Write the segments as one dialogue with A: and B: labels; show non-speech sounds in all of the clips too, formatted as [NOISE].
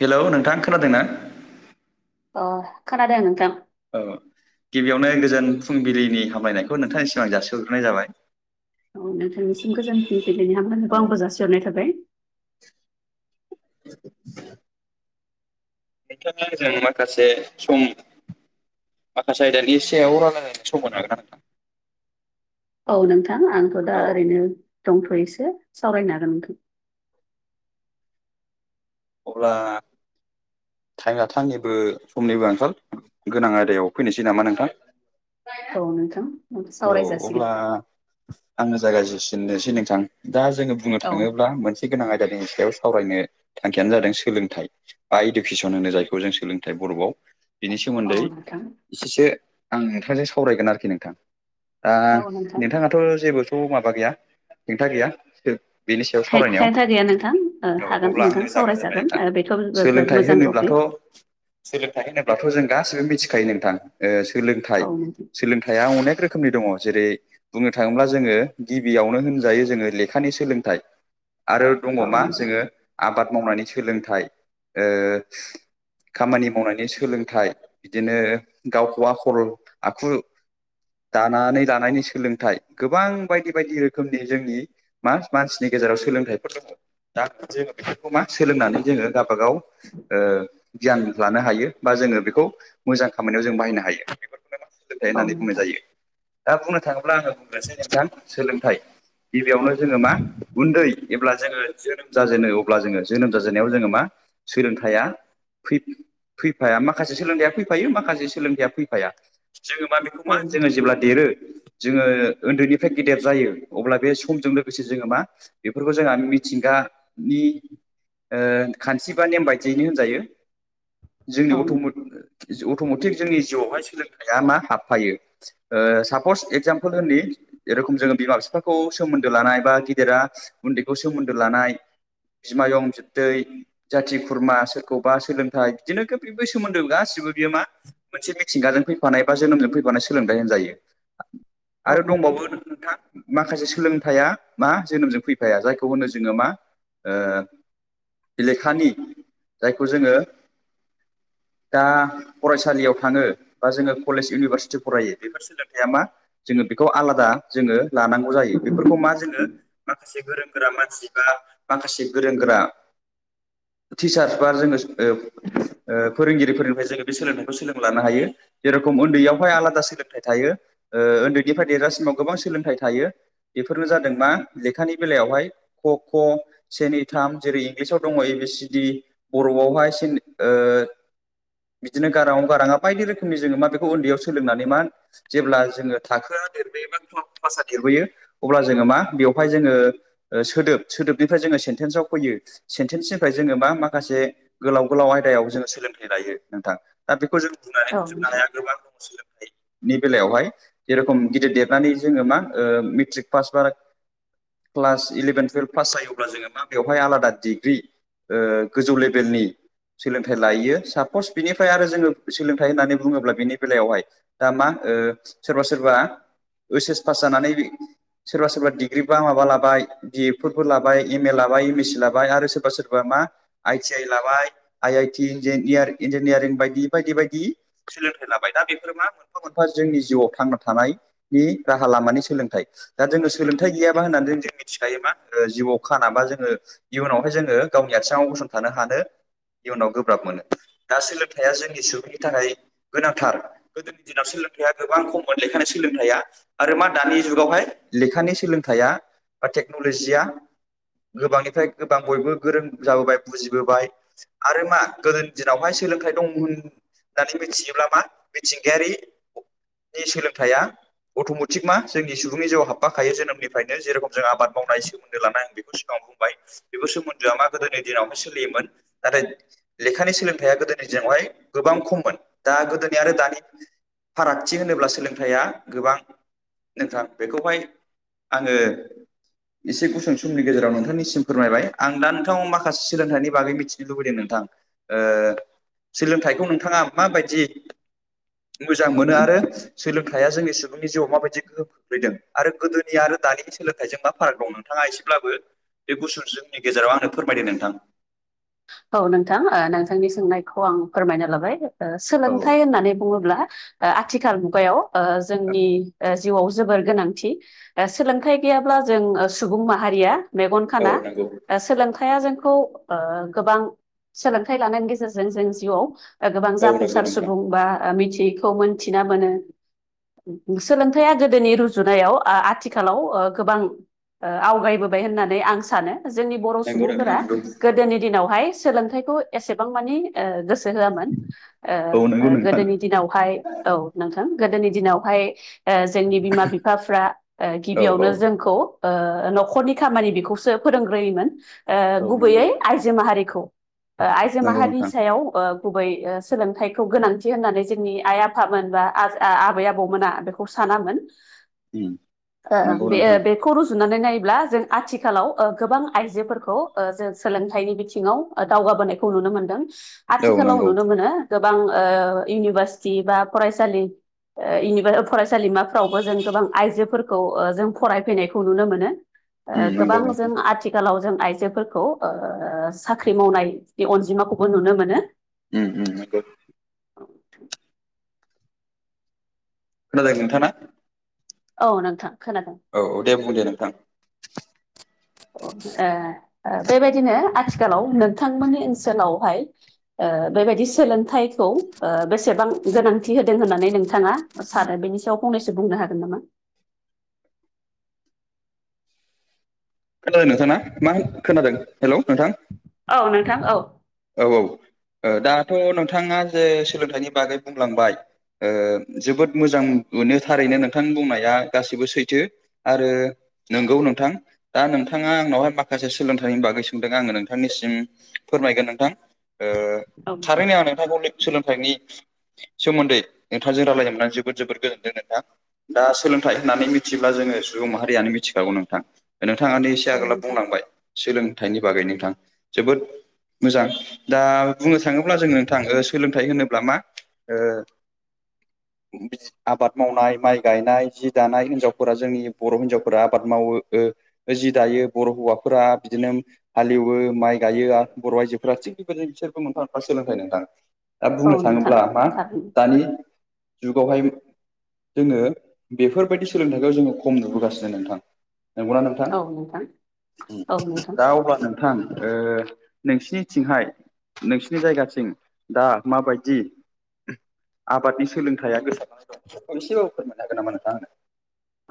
A: Hello नोंथां खोनादोंना?
B: अ खोनादों नोंथां।
A: औ गिबियावनो गोजोन फुंबिलिनि हामलायनायखौ नोंथांनि सिगां जासिहरग्रोनाय जाबाय‌।
B: औ नोंथांनिसिम गोजोन फुंबिलिनि
A: औ
B: हामलायखौ आंखौ जासिहरनाय थाबाय
A: [UNINTELLIGIBLE] [UNINTELLIGIBLE] जों माखासे सम माखासे आयदा आयदानि सायाव रायलायायनानै सम होनो हागोन।
B: औ नोंथां आंथ' दा
A: औ
B: ओरैनो। दंथयोसो सावरायनो हागोन।
A: अब्ला टाइमआ थांनिबो समनिबो आंखाल गोनां आयदायाव फैनोसै नामा नोंथां।
B: औ नोंथां।
A: औ अब्ला
B: सावरायजासिगोन
A: आंनो। जायागायसिननोसै नोंथां दा जोंङो बुंनो
B: औ
A: थांङोब्ला मोनसे गोनां आयदा। जनि सायाव सावरायनो थांखियानो जादों सोलोंथाइ बा इडुकेसन होनो जायखौ जों सोलोंथाइ बर'आव। बिनि
B: औ
A: सोमोन्दै
B: नोंथां
A: एसेसो आं नोंथांजों सावरायगोन आरोखि नोंथां। दा
B: औ नोंथां
A: नोंथाङाथ' जेबोथ' माबा गैया हेंथा गैया। बेनि सायाव
B: हे-
A: सावरायनायाव
B: हेंथा गैया नोंथां ओ,
A: औ
B: हागोन
A: अब्ला
B: नोंथां
A: आंनो जागाय जेनबाय
B: सावरायजागोन
A: नोंथां
B: ओ, बेथ' बिराद
A: सोलोंथाइ
B: मोजां
A: होनोब्लाथ'।
B: टपिक
A: सोलोंथाइ होनोब्लाथ' जों। गासिबो मिथिखायो नोंथां सोलोंथ
B: औ नोंथां
A: सोलोंथया अनेक रोखोम। रोखोमनि दंङ जेरै बुंनो थांङोब्ला जोंङो गिबियावनो होनजायो जोंङो लेखानि सोलोंथाइ। आरो दङ
B: औ
A: मा
B: नोंथां
A: जोंङो आबाद मावनायनि सोलोंथाइ। खामानि मावनानै सोलोंथाइ बिदिनो गावखौ आखल आखु। [INAUDIBLE] दानानै दानायनि सोलोंथाइ गोबां बायदि बायदि रोखोमनि जोंनि म मानसिनि गेजेराव। सोलोंथाइफोर दंङो। दा जोंङो बेफोरखौ मा सोलोंनानै जोंङो गावबाागाव गियान लानो हायो बा जों। जोंङो बेखौ मोजां खामानियाव जों बाहायनो हायो बेफोरखौनो माने सोलोंथाय
B: औ
A: होननानै बुंनाय
B: नोंथां
A: जायो। दा बुंनो थांङोब्ला आङो बुंगसै नोंथां सोलोंथाइ। गिबियावनो जोंङो मा उन्दै जब्ला जोङो जोनोम जाजेनो अब्ला जोंङो जोनोम जाजेननायाव जोंङो मा। सोलोंथाइया फैफाया माखासे सोलोंथाइया फैफायो माखासे सोलोंथाइया फैफाया। जोङो मा बेखौ मा
B: औ
A: जोङो
B: नोंथां
A: जेब्ला देरो। जोङो उन्दैनिफ्राय गेदेर जायो अब्ला बे समजों लोगोसे जोङो मा बेफोरखौ जोंहा मिथिंगा। खान्थि बा नेम बायदियैनो होनजायो। जोंनि
B: औ
A: अट
B: नोंथां
A: अट'मेटिक जोंनि जिउआवहाय सोलोंथाइया मा हाबफायो। सापस एक्जामपोल होनि जेरखम जोङो बिमा बिफाखौ सोमोन्दो लानाय बा गिदेरा। उन्दैखौ सोमोन्दो लानाय। बिमायं बिबथै जाथि खुरमा सोरखौबा सोलोंथाइ बिदिनो खोब सोमोन्दो गासिबो। यो मा मोनसे मिथिंगाजों फैफानाय बा जोनोमजों फैफानाय। सोलोंथाइ होनजायो
B: औ
A: आरो
B: नोंथां
A: दंबावो नोंथां। माखासे सोलोंथाइया मा जोनोमजों फैफाया जायखौ होनो जोङो मा। बबेखानि जायखौ जोङो दा फरायसालियाव थाङो बा जोङो कलेज इउनिभारसिटि फरायो बेफोर सोलोंथाइया मा जोङो बेखौ आलादा जोङो लानांगौ जायो। बेफोरखौ मा जोङो माखासे गोरों गोरा मानसि बा माखासे गोरों गोरा टिचार बा जोङो। फोरोंगिरिफोरनिफ्राय जोङो बे सोलोंथखौ सोलों लानो हायो जेर सोलोंथाइ थायो उन्दैनिफ्राय देरगासिमाव गोबां सोलोंथाइ थायो बेफोरनो जादों मा। लेखानि बेलायावहाय ख ख' से नै थाम जेरै इंलिसाव दङ ए बि सि डि बर'आव। बिदिनो गाराव गाराङा बायदि रोखोमनि जोङो मा बेखौ उन्दैयाव सोलोंनानै। जेब्ला जोङो थाखोआ देरबोयोबा देरबोयो अब्ला जोङो मा बेवहाय जोङो। सोदोब सोदोबनिफ्राय जोङो सेन्टेन्सआव फैयो सेन्टेन्सनिफ्राय जोङो मा माखासे। गोलाव गोलाव आयदायाव जोङो सोलोंथाइ लायो नोंथां दा बेखौ जों बुंनानै
B: औ
A: फोजोबनो हाया
B: नोंथां
A: गोबां दङ सोलोंथ नि बेलायावहाय जेरखम गिदिर देरनानै जोङो मा मेट्रिक पास बा क्लास इलेभेन टुयेल्भ पास जायोब्ला जोङो मा बेवहाय आलादा डिग्रि। ओ गोजौ लेभेलनि सोलोंथाइ लायो सापस बिनिफ्राय आरो जोङो सोलोंथाइ होननानै बुङोब्ला बिनि बेलायावहाय दा मा सोरबा सोरबा ओइस एस पास जानानै सोरबा सोरबा डिग्रि बा माबा लाबाय बिए फोरबो लाबाय एम ए ला ला आरो सोरबा सोरबा मा आइ टि आइ लाबाय आइ आइ टि इन्जिनियार बायदि बायदि बायदि सोलोंथाइ लाबाय दा बेफोर मा मोनफा मोनफा जोंनि जिउआव थांना थानायनि राहा लामानि सोलोंथाइ दा जोङो सोलोंथाइ गैयाबा होननानै जों मिथिखायो मा जिउआव खानाबा जोङो इयुनावहाय जोङो गावनि आथिङाव गसंथानो हानो इयुनाव गोब्राब मोनो दा सोलोंथाइया जोंनि सुबुंनि थाखाय गोनांथार गोदोनि दिनाव सोलोंथाइया गोबां खममोन लेखानि सोलोंथाइया आरो मा दानि जुगावहाय लेखानि सोलोंथाइया बा टेक्न'ल'जिया गोबांनिफ्राय गोबां बयबो गोरों जाबोबाय बुजिबोबाय आरो मा गोदोनि दिनावहाय सोलोंथाइ दं होननानै मिथियोब्ला मा मिथिंगायारि नि सोलोंथाइया अट'मेटिक मा जोंनि सुबुंनि जिउआव हाबफाखायो जोनोमनिफ्रायनो जेरखम जों आबाद मावनाय सोमोन्दो लानाय आं बेखौ सिगाङाव बेफोर सोमोन्दोआ मा गोदोनि दिनावहाय सोलियोमोन। नाथाय लेखानि सोलोंथाया गोदोनि दिनाव हाय गोबां खममोन दा गोदोनि आरो दानि फारागथि होनोब्ला सोलोंथाइया गोबां नोंथां बेखौहाय आङो एसे गुसुं समनि गेजेराव नोंथांनिसिम फोरमायबाय आं दा नोंथांनाव माखासे सोलोंथाइनि बागै मिथिनो लुबैदों नोंथां। सोलोंथाइखौ नोंथाङा माबायदि मोजां मोनो आरो सोलों थाइया जोंनि सुबुंनि जिउआव माबायदि गोहोम खोख्लैदों आरो गोदोनि आरो दानि सोलोंथाइजों मा फाराग दं? नोंथाङा एसे बो बे गुसुं समनि गेजेराव आंनो फोरमायदो नोंथां।
B: औ नोंथां नोंथांनि सोंनायखौ आं फोरमायना लाबाय
A: औ
B: सोलोंथाइ होननानै बुङोब्ला आथिखाल मुगायाव जोंनि जिउआव जोबोर गोनांथि सोलोंथाइ गैयाब्ला जों सुबुं माहारिया मेगन
A: औ
B: खाना
A: नंगौ
B: सोलोंथाइया जोंखौ गोबां सोलोंथाइ लानायनि गेजेरजों जों जिउआव गोबां
A: औ नंगौ
B: जाफुंसार
A: नोंथां
B: सुबुं बा मिथि यैखौ मोनथिना मोनो। सोलोंथाइया गोदोनि रुजुनायाव आथिखालाव गोबां। आवगायबोबाय होननानै आं सानो। जोंनि बर'
A: नंगौ नोंथां
B: सुबुंफोरा
A: नंगौ
B: गोदोनि दिनावहाय सोलोंथाइखौ एसेबां मानि गोसो हो
A: औ नंगौ नोंथां
B: गोदोनि दिनावहाय औ नोंथां गोदोनि दिनावहाय जोंनि बिमा बिफाफ्रा
A: औ
B: गिबियावनो
A: औ
B: जोंखौ न'खरनि खामानि बेखौसो फोरोंग्रोयोमोन
A: औ नंगौ
B: गुबैयै आइजो माहारिखौ आइजो
A: नंगौ
B: माहारिनि
A: नोंथां
B: सायाव ओ गुबै सोलोंथाइखौ गोनांथि होननानै जोंनि आइ आफामोन बा आबै आबौमोना बेखौ सा नामोन।
A: नंगौ
B: बे
A: नोंथां
B: बेखौ रुजुनानै नायब्ला जों आथिखालाव गोबां आइजोफोरखौ जों सोलोंथाइनि बिथि सिङाव दावगाबोनायखौ नुनो मोनदों।
A: औ
B: आथिखालाव
A: नंगौ
B: नुनो मोनो गोबां इउनिभारसिटि बा फरायसालि इउनिभार फरायसालिमाफ्रावबो जों गोबां आइजोफोरखौ जों फरायफैनायखौ नुनो मोनो।
A: नंगौ
B: गोबां
A: नोंथां
B: जों आथिखालाव जों आइजोफोरखौ साख्रि मावनायनि अनजिमाखौबो नुनो मोनो।
A: नंगौ।
B: औ
A: खोनादों नोंथाङा
B: औ नोंथां खोनादों
A: औ दे बुं दे नोंथां
B: ओ बेबायदिनो आथिखालाव नोंथांमोननि ओनसोलावहाय बेबायदि सोलों थाइखौ बेसेबां गोनांथि होदों होननानै नोंथाङा सानो बेनि सायाव फंनैसो बुंनो हागोन नामा?
A: खोनादों नोंथाङा मा खोनादों हेलौ नोंथां
B: औ नोंथां औ
A: औ औ दाथ' नोंथाङा जे सोलोंथाइनि बागै बुंलांबाय जोबोद मोजां मोनो थारैनो नोंथांनि बुंनाया गासैबो सैथो आरो नंगौ नोंथां दा नोंथाङा आंनावहाय माखासे सोलोंथाइनि बागै सोंदों आङो नोंथांनिसिम फोरमायगोन नोंथां
B: औ
A: थारैनो आं नोंथांखौ सोलोंथाइनि सोमोन्दै नोंथांजों रायलायनोनानै जोबोद जोबोद गोजोनदों नोंथां। दा सोलोंथाइ होननानै मिथिब्ला जोङो सुबुं माहारियानो मिथिखागौ नोंथां। नोंथाङानो एसे
B: औ
A: आगोलाव
B: नोंथां
A: बुंलांबाय सोलोंथाइनि बागै नोंथां जोबोद मोजां दा बुंनो थाङोब्ला जों नोंथां सोलोंथाइ होनोब्ला मा ओ [INAUDIBLE] आबाद मावनाय माइ गायनाय जि दानाय हिनजावफोरा जोंनि बर' हिन्जावफोरा आबाद मावोओ जि दायो बर' हौवाफोरा बिदिनो हालेवो माइ गायो। बर' आइजोफोरा थिग बेबायदि बिसोरबो मोनफा मोनफा सोलोंथाइ नोंथां। दा
B: औ
A: बुंनो
B: नोंथां
A: थाङोब्ला मा
B: थारैनो
A: दानि जुगावहाय जोङो बेफोरबायदि सोलोंथथायाइखौ जोङो खम नुबोगासिनो नोंथां। नंगौना नोंथां
B: औ नोंथां औ नोंथां
A: दा अब्ला नोंथां ओ नोंसिनिथिंहाय नोंसिनि जायगाथिं दा माबायदि आबादनि सोलोंथायाइया गोसारनानै दं खनसे अफोर मोननो हागोन नामा नोंथां?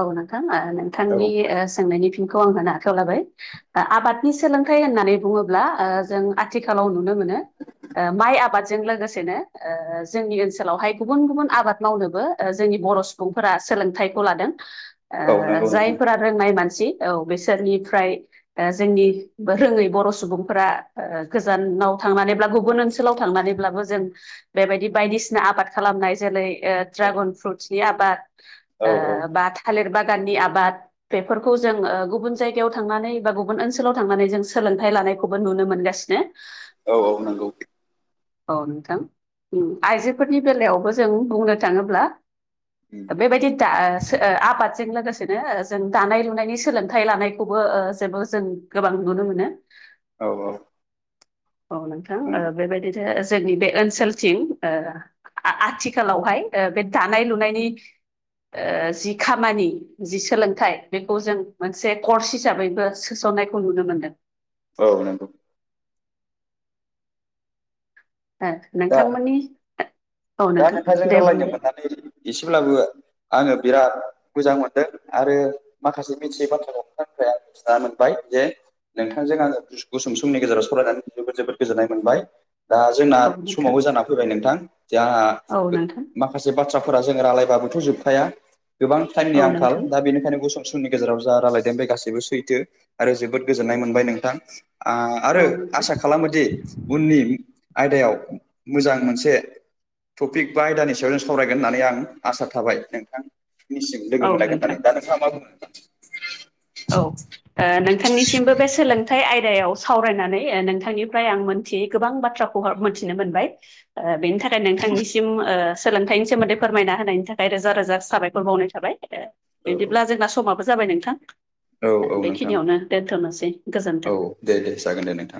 B: औ नोंथां नोंथांनि
A: आंनो
B: सोंनायनि फिन खौ आं होनो आखायाव लाबाय आबादनि सोलोंथाइ होननानै बुङोब्ला जों आथिखालाव नुनो मोन मोनो ओ माइ आबादजों लोगोसेनो ओ जोंनि ओनसोलावहाय गुबुन गुबुन आबाद मावनोबो ओ जोंनि नि बर' सुबुंफोरा सोलोंथाइखौ लादों।
A: औ
B: ओ
A: नंगौ नोंथां
B: जायफोरा रोंनाय मान सि औ बेसोरनिफ्राय ओ जोंनि रोङै बर' सुबुंफोरा ओ गोजान नाव थांनानैब्लाबो गुबुन ओनसोलाव थांनानैब्लाबो जों बेबायदि बायदिसिना आबाद खालामनाय जेरै ओ ड्रागन फ्रुटसनि आबाद
A: औ औ
B: ओ बा थालिर बागाननि आबाद बेफोरखौ जों ओ गुबुन जायगायाव थांनानै बा गुबुन ओनसोलाव थांनानै जों सो सोलोंथाइ लानायखौबो नुनो मोनगासिनो।
A: औ औ नंगौ
B: औ नोंथां ओम आइजोफोरनि बेलायावबो जों बुंनो थाङोब्ला
A: उम
B: बेबायदि दा ओ सो ओ आबादजों लोगोसेनो ओ जों दानाय-लुनायनि सोलोंथाइ लानायखौबो ओ जेबो जों गोबां नुनो मोनो।
A: औ औ।
B: औ नोंथां ओ
A: नंगौ
B: बेबायदिनो जोंनि बे ओनसोलथिं ओ आ आथिखालावहाय बे दानाय-लुनायनि ओ जि खामानि जि सोलोंथाइ बेखौ जों मोनसे कर्स हिसाबैबो सो‌ लोंनायखौ नुनो मोन्दों।
A: औ नंगौ दा
B: नोंथांमोननि औ
A: दा
B: नोंथां
A: नोंथांजों
B: दे
A: रायलायनो
B: बुंदो
A: मोननानै एसेब्लाबो आङो बिराद मोजां मोनदों आरो माखासे मिथियै बाथ्राफोरखौ मिथिना मोनबाय जे नोंथांजों आङो गुसुं समनि गेजेराव सावरायनानै जोबोद जोबोद गोजोननाय मोनबाय। दा जोंना
B: औ नोंथां
A: समावबो जाना फैबाय नोंथां जे आंहा
B: औ नोंथां
A: माखासे बाथ्रा जोङो रालाबाबोथ' जोबखाया गोाबां टाइमनि
B: औ
A: आंखाल
B: नोंथां
A: दा बेनिखायनो गुसुं समनि गेजेराव जा रायलायदों बे गासैबो सैथो आरो जोबोद गोजोननाय मोनबाय नोंथां। आ आरो
B: औ नोंथां
A: आसा खालामोदि उननि आयदायाव। मोजां मोनसे। टपिक बा आयदानि सायाव जों सावरायगोन होननानै आं आसा थाबाय नोंथां। दिनिसिम लोगो
B: औ
A: मोनलायगोन
B: नोंथां
A: होननानै दा नोंथाङा मा बुङो नोंथां।
B: औ। ओ नोंथांनिसिमबो बे सोलोंथाइ आयदायाव सावरायनानै नोंथांनिफ्राय आं मोनथियै गोबां बाथ्रा। खौ मोनथिनो मोनबाय ओ बेनि थाखाय। थाखाय नोंथांनिसिम ओ सोलोंथाइनि सोमोन्दै फोरमायना होनायनि थाखाय रोजा रोजा साबायखर बावनाय थाबाय। बिदिब्ला
A: औ
B: जोंना समाबो जाबाय नोंथां।
A: औ औ नोंथां
B: बेखिनियावनो दोनथ'नोसै
A: औ
B: गोजोन्थों।
A: दे दे जागोन दे नोंथां